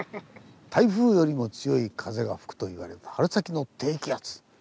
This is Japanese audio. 台風よりも強い風が吹くと言われる春先の低気圧。